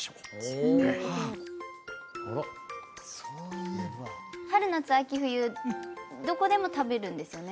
そういえば春夏秋冬どこでも食べるんですよね？